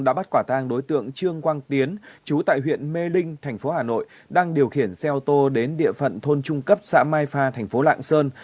đã bắt quả tàng đối tượng trương quang tiến chú tại huyện mê linh tp hà nội đang điều khiển xe ô tô đến địa phận thôn trung cấp xã mai pha tp lạng sơn